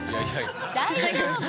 大丈夫よ。